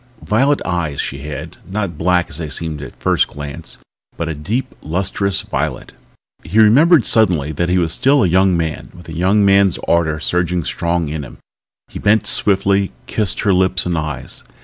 Violet eyes she had, not black as they seemed at first glance but a deep, lustrous violet. He remembered suddenly that he was still a young man, with a young man's ardor surging strong in him. He bent swiftly, kissed her lips and eyes.